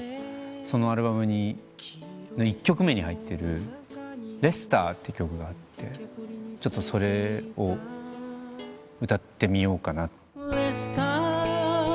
そのアルバムの１曲目に入ってる『レスター』って曲があってそれを歌ってみようかな。